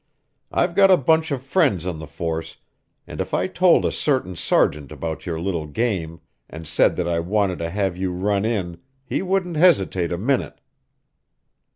I've got a bunch of friends on the force, and if I told a certain sergeant about your little game and said that I wanted to have you run in he wouldn't hesitate a minute."